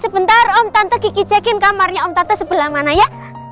sebentar om tante kiki cekin kamarnya om tante sebelah mana ya